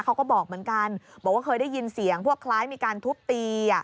เขาก็บอกเหมือนกันบอกว่าเคยได้ยินเสียงพวกคล้ายมีการทุบตี